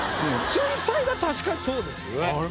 水彩画確かにそうですよね。